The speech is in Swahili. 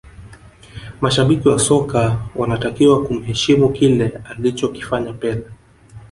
mashabiki wa soka wanatakiwa kumheshimu kile alichokifanya pele